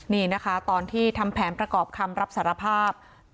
นี่นะคะตอนที่ทำแผนประกอบคำรับสารภาพ